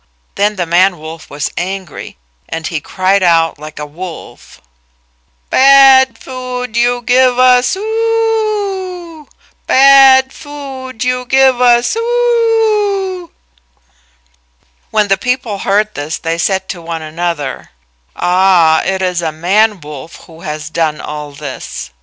Then the man wolf was angry, and he cried out like a wolf, "Bad food you give us o o o! Bad food you give us o o o o!" When the people heard this they said to one another, "Ah, it is a man wolf who has done all this.